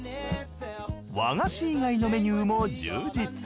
和菓子以外のメニューも充実。